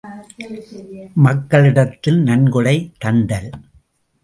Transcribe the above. மக்களிடத்தில் நன்கொடை தண்டல்!